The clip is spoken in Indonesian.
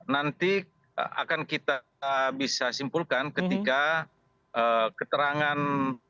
nanti akan kita bisa simpulkan ketika keterangan